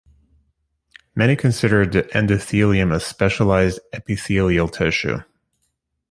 Many considered the endothelium a specialized epithelial tissue.